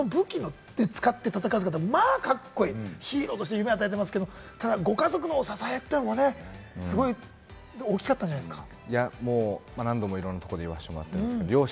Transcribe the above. ラッキーって言葉にして、その武器を使って戦う姿がカッコいい、ヒーローとして夢を与えていますけれども、ただご家族の支えというのもね、大きかったんじゃないですか？